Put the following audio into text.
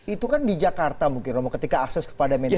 itu kan di jakarta mungkin ketika akses kepada media sosial